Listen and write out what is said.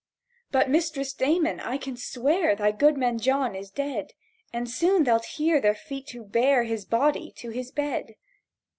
—"But, Mistress Damon—I can swear Thy goodman John is dead! And soon th'lt hear their feet who bear His body to his bed."